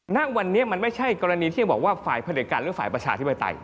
ณวันนี้มันไม่ใช่กรณีที่จะบอกว่าฝ่ายผลิตการหรือฝ่ายประชาธิปไตย